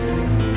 oke sampai jumpa